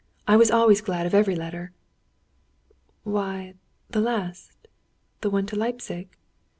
I was always glad of every letter." "Why, the last the one to Leipzig."